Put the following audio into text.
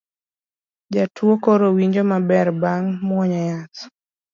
Jatuo koro winjo maber bang' muonyo yath